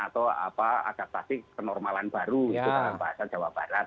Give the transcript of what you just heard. atau adaptasi kenormalan baru itu dalam bahasa jawa barat